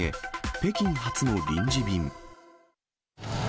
北京発の臨時便。